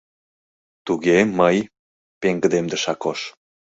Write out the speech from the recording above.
— Туге, мый! — пеҥгыдемдыш Акош.